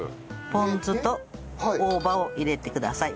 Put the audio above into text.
ポン酢と大葉を入れてください。